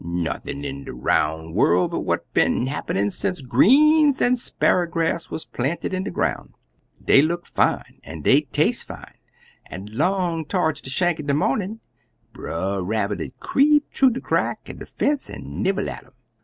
Nothin' in de roun' worl' but what been happenin' sence greens an' sparrer grass wuz planted in de groun'. Dey look fine an' dey tas'e fine, an' long to'rds de shank er de mornin', Brer Rabbit 'ud creep thoo de crack er de fence an' nibble at um.